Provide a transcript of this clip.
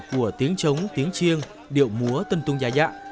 của tiếng trống tiếng chiêng điệu múa tân tung gia dạng